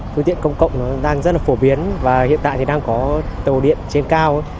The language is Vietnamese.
phương tiện công cộng đang rất là phổ biến và hiện tại thì đang có tàu điện trên cao